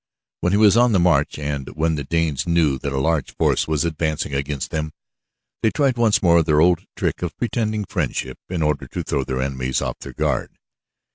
When he was on the march and when the Danes knew that a large force was advancing against them, they tried once more their old trick of pretending friendship in order to throw their enemies off their guard.